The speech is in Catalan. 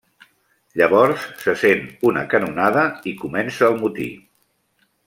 Llavors se sent una canonada i comença el motí.